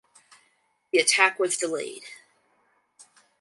The attack was delayed.